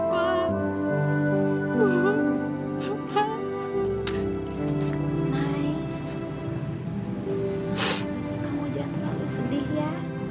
kamu jangan terlalu sedih ya